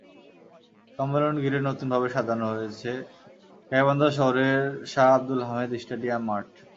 সম্মেলন ঘিরে নতুনভাবে সাজানো হয়েছে গাইবান্ধা শহরের শাহ আবদুল হামিদ স্টেডিয়াম মাঠ।